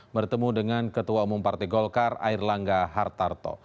bertemu dengan ketua umum partai golkar air langga hartarto